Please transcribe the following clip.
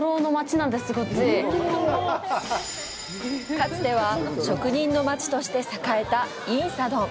かつては職人の街として栄えた仁寺洞。